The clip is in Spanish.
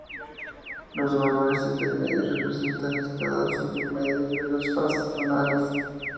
Los valores intermedios representan estados intermedios de las fases lunares.